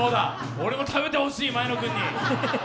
俺も食べてほしい前野君に。